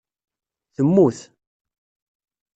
Temmut